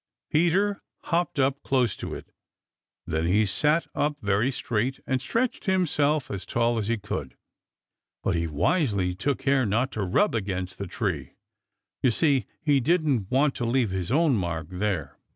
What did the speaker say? Peter hopped up close to it. Then he sat up very straight and stretched himself as tall as he could, but he wisely took care not to rub against the tree. You see, he didn't want to leave his own mark there.